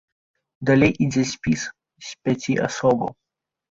Далей ідзе спіс з пяці асобаў.